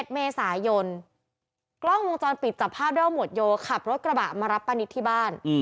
๑เมษายนกล้องวงจรปิดจับภาพได้ว่าหมวดโยขับรถกระบะมารับป้านิตที่บ้าน